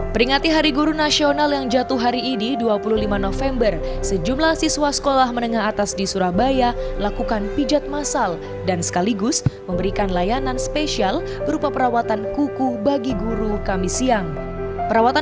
kegiatan unik ini sebagai bentuk kecintaan siswa kepada guru yang telah mendidik mereka